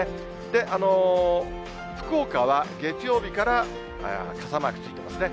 で、福岡は月曜日から傘マークついてますね。